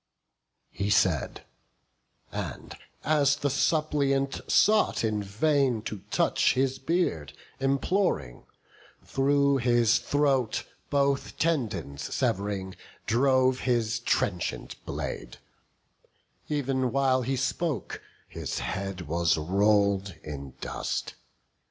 He said; and as the suppliant sought in vain To touch his beard, imploring, through his throat, Both tendons sev'ring, drove his trenchant blade: Ev'n while he spoke, his head was roll'd in dust.